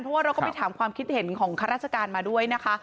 เพราะว่าเราก็ไปถามความคิดเห็นของข้าราชการมาด้วยนะคะ